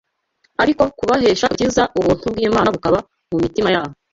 ariko kubahesha agakiza, ubuntu bw’Imana bukaba mu mitima yabo